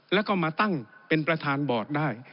แล้วก็มาตั้งเป็นประธานบอร์ดได้